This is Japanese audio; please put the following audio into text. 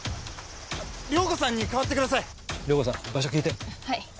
遼子さんにかわってください。